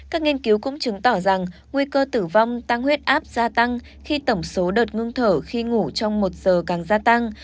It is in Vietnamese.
các nghiên cứu cũng chứng tỏ rằng nguy cơ tử vong tăng huyết áp gia tăng khi tổng số đợt ngưng thở khi ngủ trong một giờ càng gia tăng